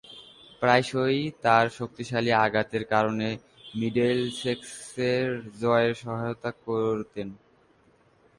প্রায়শই তার শক্তিশালী আঘাতের কারণে মিডলসেক্সের জয়ে সহায়তা করতেন।